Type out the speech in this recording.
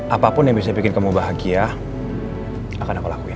apapun yang bisa bikin kamu bahagia akan aku lakuin